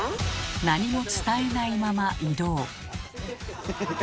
何も伝えないまま移動。